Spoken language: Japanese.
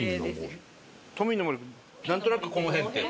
なんとなくこの辺って？